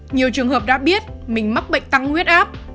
nhiều trường hợp đã biết mình mắc bệnh tăng huyết áp